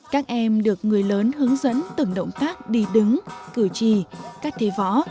các em được người lớn hướng dẫn từng động tác đi đứng cửa chì cắt thế võ